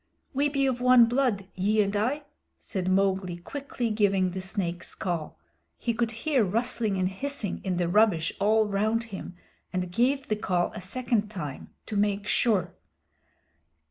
"We be of one blood, ye and I," said Mowgli, quickly giving the Snake's Call. He could hear rustling and hissing in the rubbish all round him and gave the Call a second time, to make sure.